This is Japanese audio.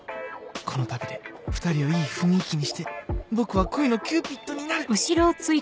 この旅で２人をいい雰囲気にして僕は恋のキューピッドになる！